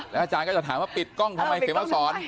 อาจารย์ก็จะถามว่าปิดกล้องทำไมเสียมาสอน